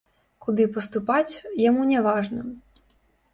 Куды паступаць, яму няважна.